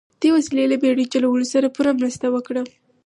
دې وسیلې له بیړۍ چلولو سره پوره مرسته وکړه.